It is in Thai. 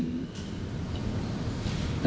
ก็ควรเป็น